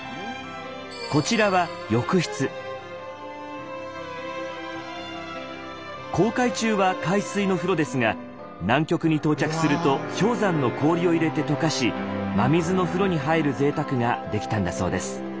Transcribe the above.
こちらは航海中は海水の風呂ですが南極に到着すると氷山の氷を入れて解かし真水の風呂に入る贅沢ができたんだそうです。